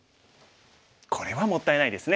これはもったいないですね。